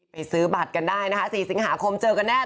ซื้อบัตรกันได้นะคะ๔สิงหาคมเจอกันแน่